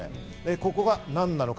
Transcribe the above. ここが何なのか。